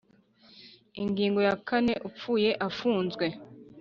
Ingingo ya kane Upfuye afunzwe